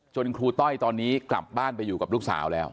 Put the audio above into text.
ครูต้อยตอนนี้กลับบ้านไปอยู่กับลูกสาวแล้ว